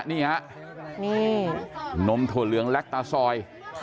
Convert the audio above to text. นี่นมถั่วเหลืองแลกตาซอย